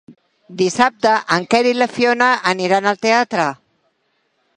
Dissabte en Quer i na Fiona aniran al teatre.